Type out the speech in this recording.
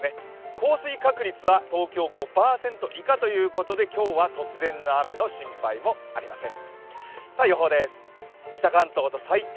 降水確率は東京５％以下ということで今日は突然の雨の心配もありません。